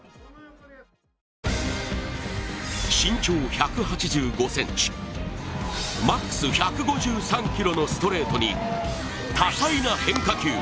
身長１８５ｃｍ、マックス１５３キロのストレートに多彩な変化球。